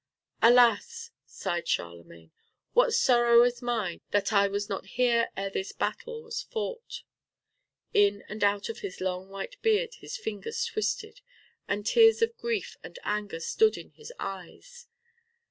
"Alas," sighed Charlemagne, "what sorrow is mine that I was not here ere this battle was fought!" In and out of his long white beard his fingers twisted, and tears of grief and anger stood in his eyes.